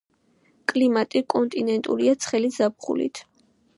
კლიმატი კონტინენტურია ცხელი ზაფხულით.